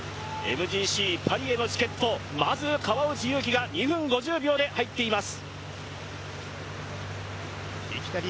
ＭＧＣ、パリへのチケット、まずは川内優輝が２分５０秒で入っています。